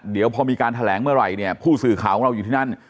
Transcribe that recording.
เดี๋ยวพอมีการแถลงเมื่อไหร่เนี่ยผู้สื่อข่าวของเราอยู่ที่นั่น